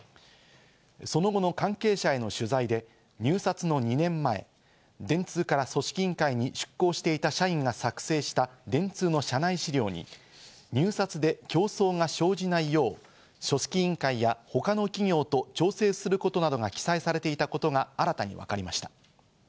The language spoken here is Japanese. その後の関係者への取材で、入札の２年前、電通から組織委員会に出向していた社員が作成した電通の社内資料に入札で競争が生じないよう組織委員会や他の企業と調整することなどが記載されていたことが新たに分かりました。